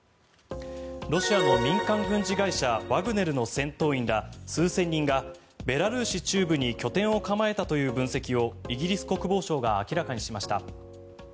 ロシアの民間軍事会社ワグネルの戦闘員ら数千人がベラルーシ中部に拠点を構えたという分析をイギリス国防省が明らかにしました。